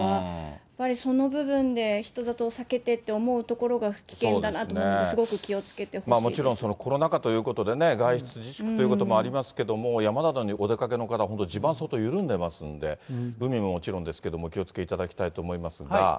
やっぱりその部分で、人里を避けてと思うところが危険だなと思うので、もちろんコロナ禍ということでね、外出自粛ということもありますけども、山などにお出かけの方、本当、地盤、相当緩んでますんで、海ももちろんですけれども、お気をつけいただきたいと思いますが。